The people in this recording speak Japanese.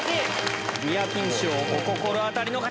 ニアピン賞お心当たりの方！